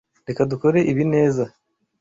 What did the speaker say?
Reka dukore ibi neza.